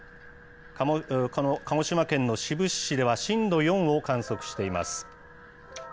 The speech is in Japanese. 鹿児島県の志布志市では、震度４を観測しています。